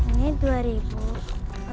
ini dua ribu